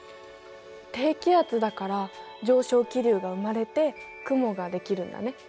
低気圧だから上昇気流が生まれて雲が出来るんだね。